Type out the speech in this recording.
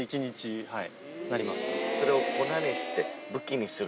それを粉にして武器にする？